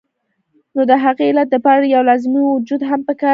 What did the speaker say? نو د هغې علت د پاره يو لازمي وجود هم پکار دے